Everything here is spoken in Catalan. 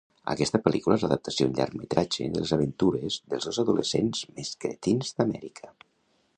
Aquesta pel·lícula és l'adaptació en llargmetratge de les aventures dels dos adolescents més cretins d'Amèrica.